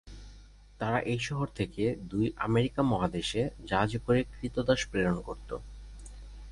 তারা এই শহর থেকে দুই আমেরিকা মহাদেশে জাহাজে করে ক্রীতদাস প্রেরণ করত।